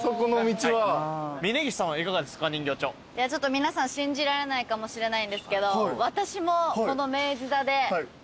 皆さん信じられないかもしれないんですけど。